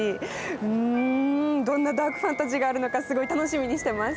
うんどんなダークファンタジーがあるのかすごい楽しみにしてます。